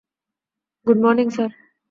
Good morning, sir!